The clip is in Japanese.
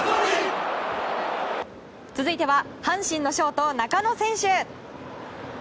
続いては、阪神のショート中野選手。